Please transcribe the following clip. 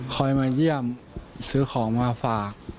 มาเยี่ยมซื้อของมาฝาก